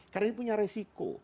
karena ini punya resiko